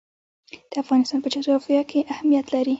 د افغانستان په جغرافیه کې کلي اهمیت لري.